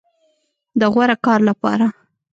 د غوره کار لپاره